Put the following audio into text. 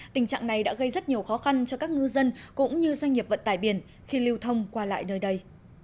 tình trạng này đã gây rất nhiều khó khăn cho các ngư dân cũng như doanh nghiệp vận tải biển khi lưu thông qua lại nơi đây